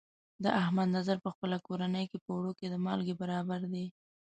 د احمد نظر په خپله کورنۍ کې، په اوړو کې د مالګې برابر دی.